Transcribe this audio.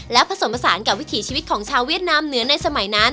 และผสมผสานกับวิถีชีวิตของชาวเวียดนามเหนือในสมัยนั้น